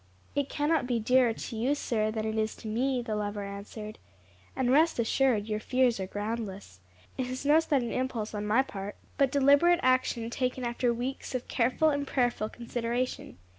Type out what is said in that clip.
"It cannot be dearer to you, sir, than it is to me," the lover answered; "and rest assured your fears are groundless. It is no sudden impulse on my part, but deliberate action taken after weeks of careful and prayerful consideration.